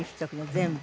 全部。